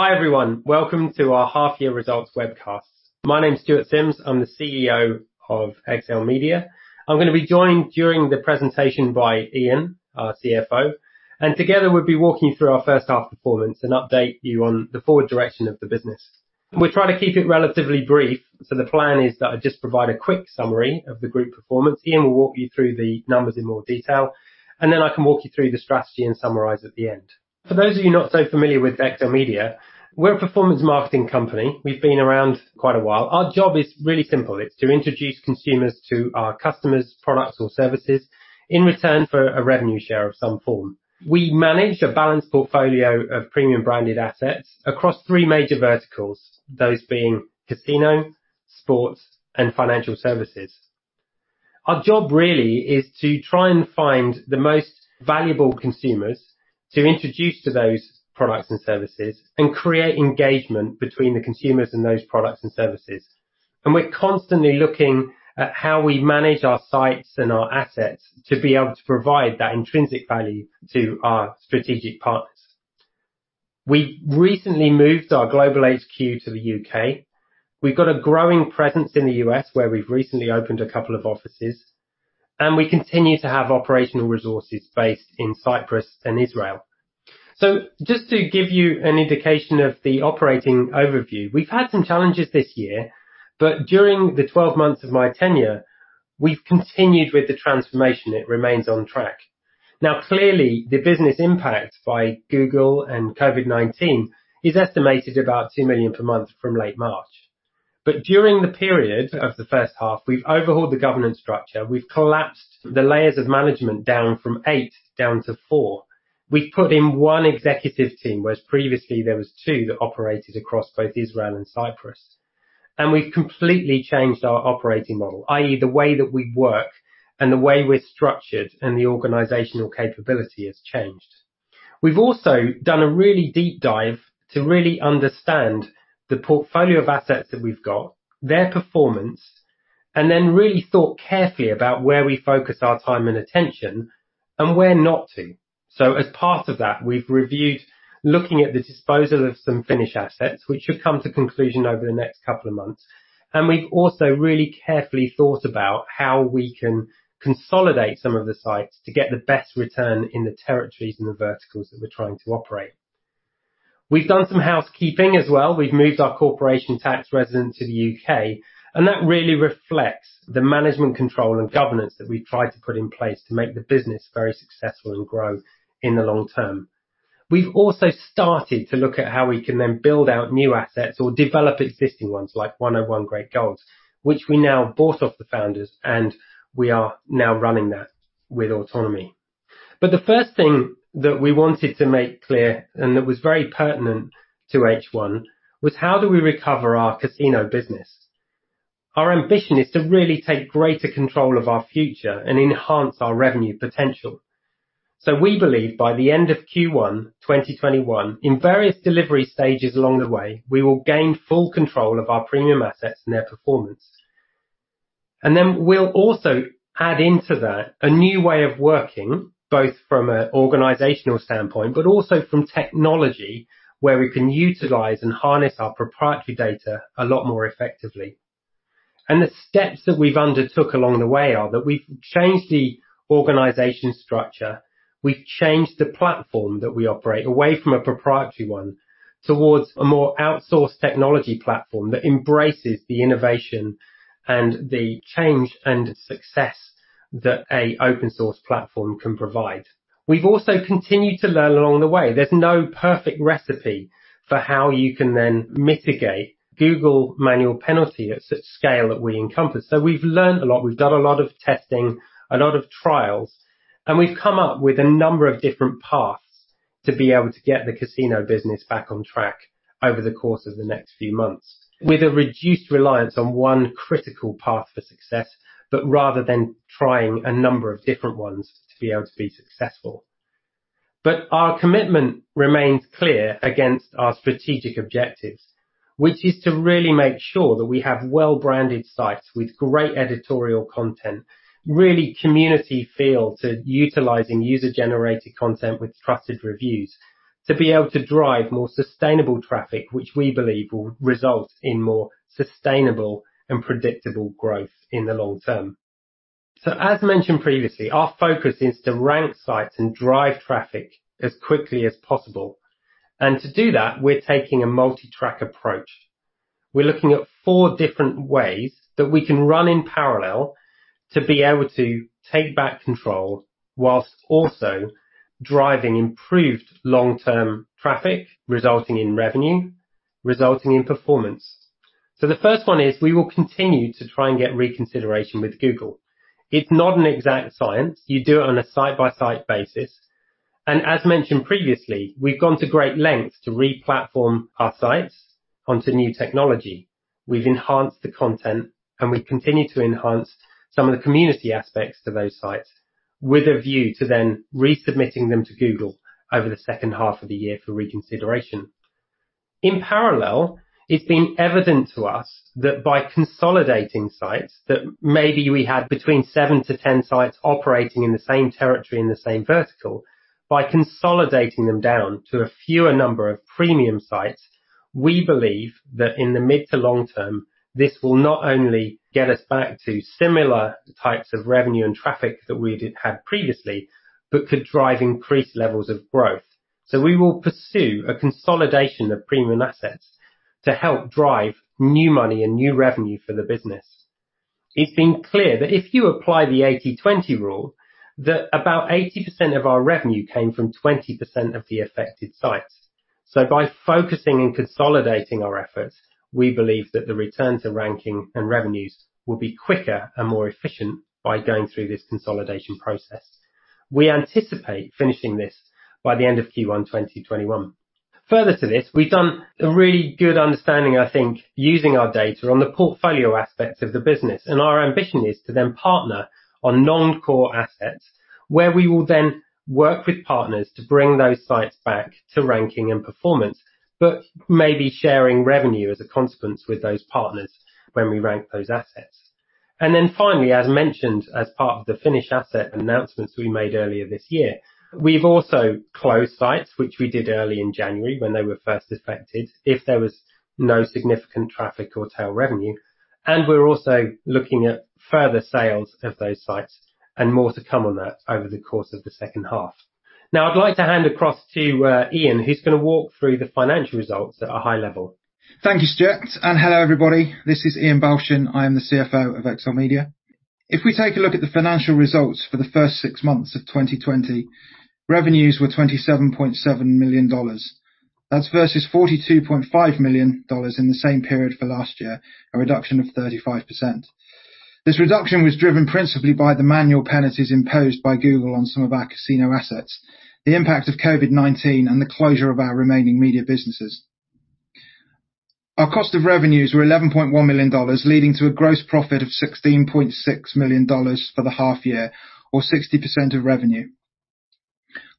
Hi, everyone. Welcome to our half-year results webcast. My name's Stuart Simms. I'm the CEO of XLMedia. I'm going to be joined during the presentation by Iain, our CFO. And together, we'll be walking you through our first half performance and update you on the forward direction of the business. We'll try to keep it relatively brief. So the plan is that I just provide a quick summary of the group performance. Iain will walk you through the numbers in more detail. And then I can walk you through the strategy and summarize at the end. For those of you not so familiar with XLMedia, we're a performance marketing company. We've been around quite a while. Our job is really simple. It's to introduce consumers to our customers' products or services in return for a revenue share of some form. We manage a balanced portfolio of premium branded assets across three major verticals, those being casino, sports, and financial services. Our job really is to try and find the most valuable consumers to introduce to those products and services and create engagement between the consumers and those products and services, and we're constantly looking at how we manage our sites and our assets to be able to provide that intrinsic value to our strategic partners. We recently moved our global HQ to the U.K. We've got a growing presence in the U.S., where we've recently opened a couple of offices, and we continue to have operational resources based in Cyprus and Israel, so just to give you an indication of the operating overview, we've had some challenges this year, but during the 12 months of my tenure, we've continued with the transformation. It remains on track. Now, clearly, the business impact by Google and COVID-19 is estimated at about $2 million per month from late March. But during the period of the first half, we've overhauled the governance structure. We've collapsed the layers of management down from eight down to four. We've put in one executive team, whereas previously there were two that operated across both Israel and Cyprus. And we've completely changed our operating model, i.e., the way that we work and the way we're structured and the organizational capability has changed. We've also done a really deep dive to really understand the portfolio of assets that we've got, their performance, and then really thought carefully about where we focus our time and attention and where not to. So as part of that, we've reviewed looking at the disposal of some non-core assets, which should come to conclusion over the next couple of months. And we've also really carefully thought about how we can consolidate some of the sites to get the best return in the territories and the verticals that we're trying to operate. We've done some housekeeping as well. We've moved our corporate tax residence to the U.K. And that really reflects the management control and governance that we've tried to put in place to make the business very successful and grow in the long term. We've also started to look at how we can then build out new assets or develop existing ones, like 101 Great Goals, which we now bought off the founders. And we are now running that with autonomy. But the first thing that we wanted to make clear and that was very pertinent to H1 was how do we recover our casino business? Our ambition is to really take greater control of our future and enhance our revenue potential. So we believe by the end of Q1 2021, in various delivery stages along the way, we will gain full control of our premium assets and their performance. And then we'll also add into that a new way of working, both from an organizational standpoint but also from technology, where we can utilize and harness our proprietary data a lot more effectively. And the steps that we've undertook along the way are that we've changed the organizational structure. We've changed the platform that we operate away from a proprietary one towards a more outsourced technology platform that embraces the innovation and the change and success that an open-source platform can provide. We've also continued to learn along the way. There's no perfect recipe for how you can then mitigate Google manual penalty at such scale that we encompass, so we've learned a lot. We've done a lot of testing, a lot of trials, and we've come up with a number of different paths to be able to get the casino business back on track over the course of the next few months, with a reduced reliance on one critical path for success, but rather than trying a number of different ones to be able to be successful, but our commitment remains clear against our strategic objectives, which is to really make sure that we have well-branded sites with great editorial content, really community feel to utilizing user-generated content with trusted reviews, to be able to drive more sustainable traffic, which we believe will result in more sustainable and predictable growth in the long term. So as mentioned previously, our focus is to rank sites and drive traffic as quickly as possible. And to do that, we're taking a multi-track approach. We're looking at four different ways that we can run in parallel to be able to take back control whilst also driving improved long-term traffic, resulting in revenue, resulting in performance. So the first one is we will continue to try and get reconsideration with Google. It's not an exact science. You do it on a site-by-site basis. And as mentioned previously, we've gone to great lengths to re-platform our sites onto new technology. We've enhanced the content. And we continue to enhance some of the community aspects to those sites with a view to then resubmitting them to Google over the second half of the year for reconsideration. In parallel, it's been evident to us that by consolidating sites that maybe we had between seven to 10 sites operating in the same territory in the same vertical, by consolidating them down to a fewer number of premium sites, we believe that in the mid to long term, this will not only get us back to similar types of revenue and traffic that we had previously, but could drive increased levels of growth, so we will pursue a consolidation of premium assets to help drive new money and new revenue for the business. It's been clear that if you apply the 80/20 rule, that about 80% of our revenue came from 20% of the affected sites, so by focusing and consolidating our efforts, we believe that the return to ranking and revenues will be quicker and more efficient by going through this consolidation process. We anticipate finishing this by the end of Q1 2021. Further to this, we've done a really good understanding, I think, using our data on the portfolio aspects of the business, and our ambition is to then partner on non-core assets, where we will then work with partners to bring those sites back to ranking and performance, but maybe sharing revenue as a consequence with those partners when we rank those assets, and then finally, as mentioned as part of the Finnish asset announcements we made earlier this year, we've also closed sites, which we did early in January when they were first affected, if there was no significant traffic or tail revenue, and we're also looking at further sales of those sites and more to come on that over the course of the second half. Now, I'd like to hand across to Iain, who's going to walk through the financial results at a high level. Thank you, Stuart. And hello, everybody. This is Iain Balchin. I am the CFO of XLMedia. If we take a look at the financial results for the first six months of 2020, revenues were $27.7 million. That's versus $42.5 million in the same period for last year, a reduction of 35%. This reduction was driven principally by the manual penalties imposed by Google on some of our casino assets, the impact of COVID-19, and the closure of our remaining media businesses. Our cost of revenues were $11.1 million, leading to a gross profit of $16.6 million for the half year, or 60% of revenue.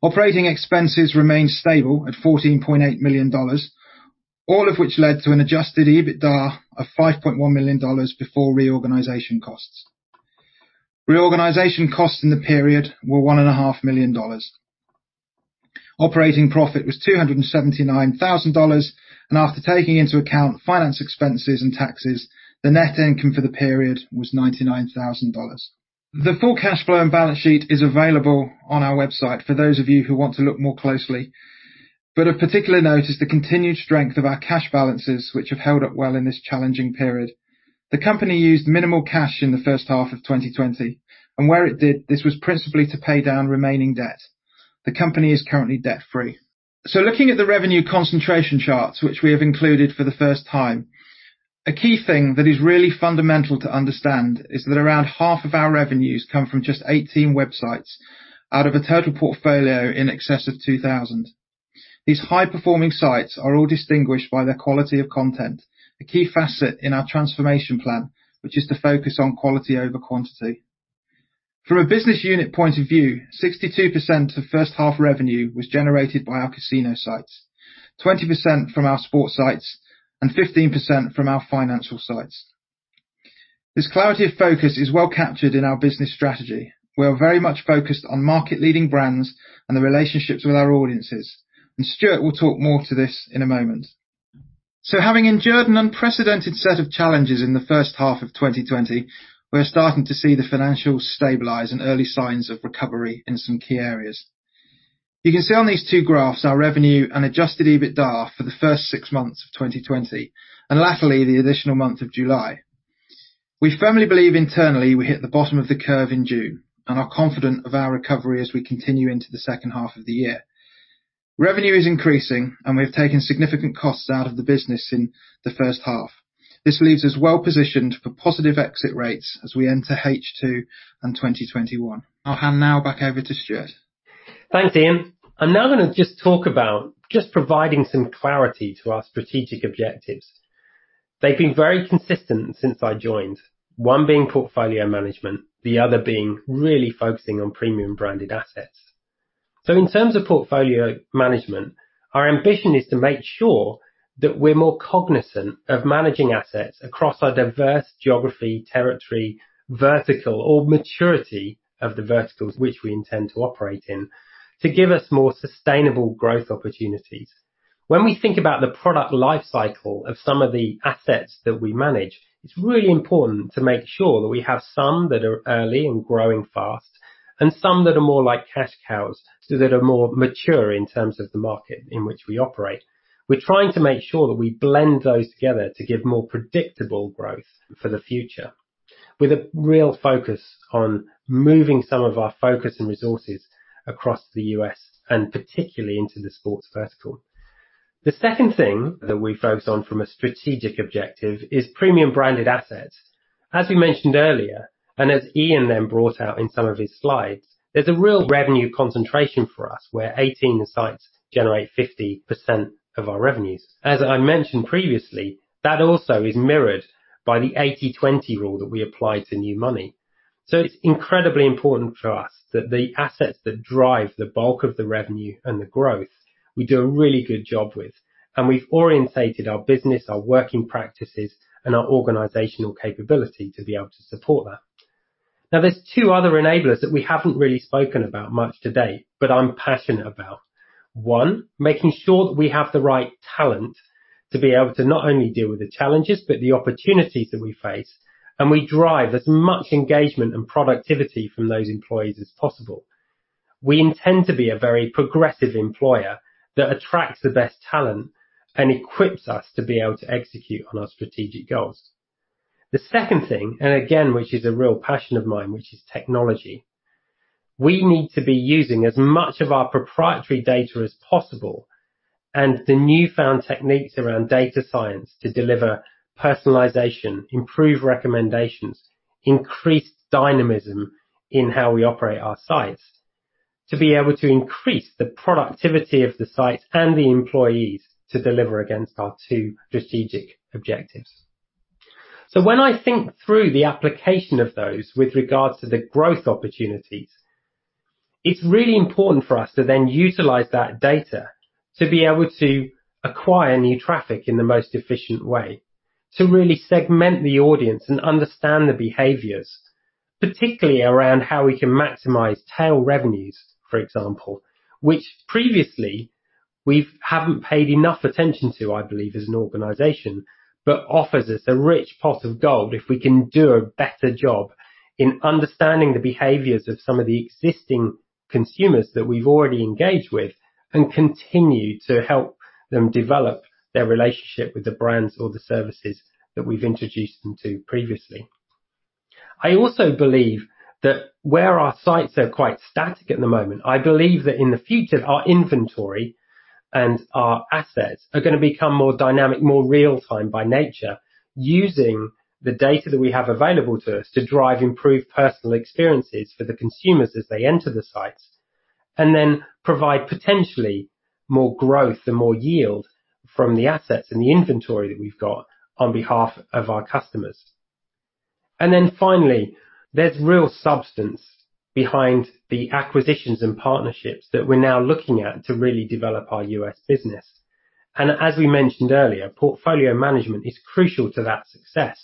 Operating expenses remained stable at $14.8 million, all of which led to an Adjusted EBITDA of $5.1 million before reorganization costs. Reorganization costs in the period were $1.5 million. Operating profit was $279,000. After taking into account finance expenses and taxes, the net income for the period was $99,000. The full cash flow and balance sheet is available on our website for those of you who want to look more closely. Of particular notice is the continued strength of our cash balances, which have held up well in this challenging period. The company used minimal cash in the first half of 2020. Where it did, this was principally to pay down remaining debt. The company is currently debt-free. Looking at the revenue concentration charts, which we have included for the first time, a key thing that is really fundamental to understand is that around half of our revenues come from just 18 websites out of a total portfolio in excess of 2,000. These high-performing sites are all distinguished by their quality of content, a key facet in our transformation plan, which is to focus on quality over quantity. From a business unit point of view, 62% of first-half revenue was generated by our casino sites, 20% from our sports sites, and 15% from our financial sites. This clarity of focus is well captured in our business strategy. We are very much focused on market-leading brands and the relationships with our audiences, and Stuart will talk more to this in a moment, so having endured an unprecedented set of challenges in the first half of 2020, we're starting to see the financials stabilize and early signs of recovery in some key areas. You can see on these two graphs our revenue and Adjusted EBITDA for the first six months of 2020, and latterly the additional month of July. We firmly believe internally we hit the bottom of the curve in June, and are confident of our recovery as we continue into the second half of the year. Revenue is increasing, and we have taken significant costs out of the business in the first half. This leaves us well positioned for positive exit rates as we enter H2 and 2021. I'll hand now back over to Stuart. Thanks, Iain. I'm now going to just talk about just providing some clarity to our strategic objectives. They've been very consistent since I joined, one being portfolio management, the other being really focusing on premium branded assets. So in terms of portfolio management, our ambition is to make sure that we're more cognizant of managing assets across our diverse geography, territory, vertical, or maturity of the verticals which we intend to operate in to give us more sustainable growth opportunities. When we think about the product lifecycle of some of the assets that we manage, it's really important to make sure that we have some that are early and growing fast and some that are more like cash cows that are more mature in terms of the market in which we operate. We're trying to make sure that we blend those together to give more predictable growth for the future, with a real focus on moving some of our focus and resources across the U.S. and particularly into the sports vertical. The second thing that we focus on from a strategic objective is premium branded assets. As we mentioned earlier, and as Iain then brought out in some of his slides, there's a real revenue concentration for us, where 18 sites generate 50% of our revenues. As I mentioned previously, that also is mirrored by the 80/20 rule that we apply to new money. So it's incredibly important for us that the assets that drive the bulk of the revenue and the growth we do a really good job with, and we've oriented our business, our working practices, and our organizational capability to be able to support that. Now, there's two other enablers that we haven't really spoken about much to date, but I'm passionate about. One, making sure that we have the right talent to be able to not only deal with the challenges, but the opportunities that we face, and we drive as much engagement and productivity from those employees as possible. We intend to be a very progressive employer that attracts the best talent and equips us to be able to execute on our strategic goals. The second thing, and again, which is a real passion of mine, which is technology. We need to be using as much of our proprietary data as possible and the newfound techniques around data science to deliver personalization, improve recommendations, increase dynamism in how we operate our sites, to be able to increase the productivity of the sites and the employees to deliver against our two strategic objectives. So when I think through the application of those with regards to the growth opportunities, it's really important for us to then utilize that data to be able to acquire new traffic in the most efficient way, to really segment the audience and understand the behaviors, particularly around how we can maximize tail revenues, for example, which previously we haven't paid enough attention to, I believe, as an organization, but offers us a rich pot of gold if we can do a better job in understanding the behaviors of some of the existing consumers that we've already engaged with and continue to help them develop their relationship with the brands or the services that we've introduced them to previously. I also believe that where our sites are quite static at the moment, I believe that in the future, our inventory and our assets are going to become more dynamic, more real-time by nature, using the data that we have available to us to drive improved personal experiences for the consumers as they enter the sites, and then provide potentially more growth and more yield from the assets and the inventory that we've got on behalf of our customers, and then finally, there's real substance behind the acquisitions and partnerships that we're now looking at to really develop our U.S. business, and as we mentioned earlier, portfolio management is crucial to that success.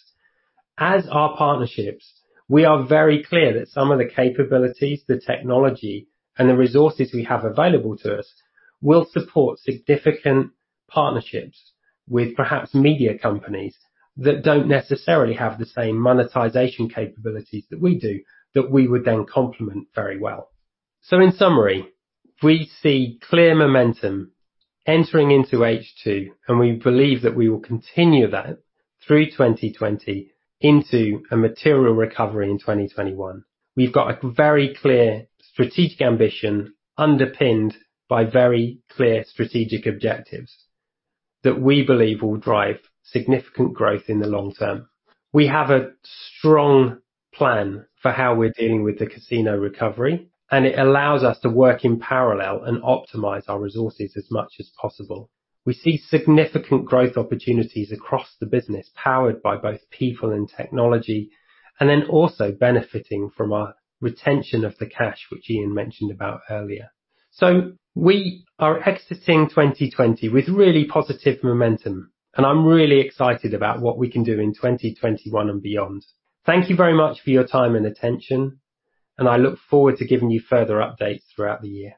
As for our partnerships, we are very clear that some of the capabilities, the technology, and the resources we have available to us will support significant partnerships with perhaps media companies that don't necessarily have the same monetization capabilities that we do that we would then complement very well. So in summary, we see clear momentum entering into H2, and we believe that we will continue that through 2020 into a material recovery in 2021. We've got a very clear strategic ambition underpinned by very clear strategic objectives that we believe will drive significant growth in the long term. We have a strong plan for how we're dealing with the casino recovery, and it allows us to work in parallel and optimize our resources as much as possible. We see significant growth opportunities across the business powered by both people and technology, and then also benefiting from our retention of the cash, which Iain mentioned about earlier, so we are exiting 2020 with really positive momentum, and I'm really excited about what we can do in 2021 and beyond. Thank you very much for your time and attention, and I look forward to giving you further updates throughout the year.